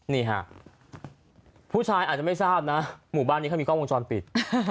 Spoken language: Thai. นี่ฮะผู้ชายอาจจะไม่ทราบนะหมู่บ้านนี้เขามีกล้องวงจรปิด